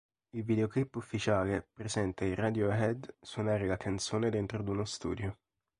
Il videoclip ufficiale presenta i Radiohead suonare la canzone dentro ad uno studio.